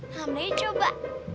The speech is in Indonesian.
nah mulai coba